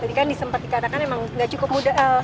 tadi kan disempat dikatakan emang gak cukup muda